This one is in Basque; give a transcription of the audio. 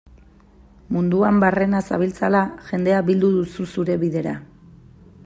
Munduan barrena zabiltzala, jendea bildu duzu zure bidera.